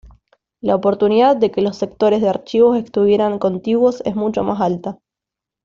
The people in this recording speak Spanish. La oportunidad de que los sectores de archivos estuvieran contiguos es mucho más alta.